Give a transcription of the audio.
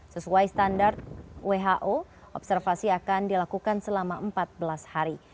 sesuai standar who observasi akan dilakukan selama empat belas hari